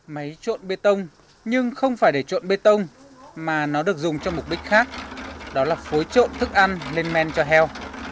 máy trộn bê tông nhưng không phải để trộn bê tông mà nó được dùng cho mục đích khác đó là phối trộn thức ăn lên men cho heo